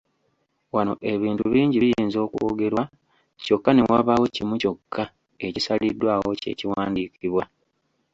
Wano ebintu bingi biyinza okwogerwa kyokka ne wabaawo kimu kyokka ekisaliddwawo kye kiwandiikibwa.